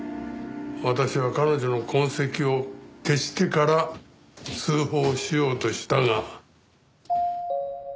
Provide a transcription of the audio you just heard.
私は彼女の痕跡を消してから通報しようとしたが。